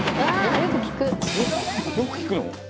よく聞くの？